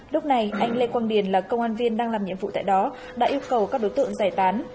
lúc này anh lê quang điền là công an viên đang làm nhiệm vụ tại đó đã yêu cầu các đối tượng giải tán